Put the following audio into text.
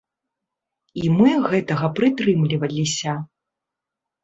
І мы гэтага прытрымліваліся.